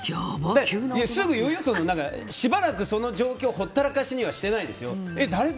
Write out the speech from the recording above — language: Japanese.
すぐ言うよ、しばらくその状況をほったらかしにはしてないですよ。